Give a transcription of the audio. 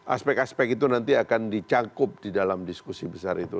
aspek aspek itu nanti akan dicangkup di dalam diskusi besar itu